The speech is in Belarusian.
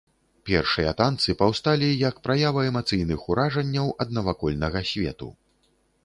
Першыя танцы паўсталі, як праява эмацыйных уражанняў ад навакольнага свету.